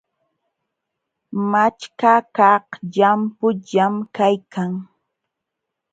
Machkakaq llampullam kaykan.